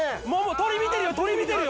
鶏見てるよ鶏見てるよ！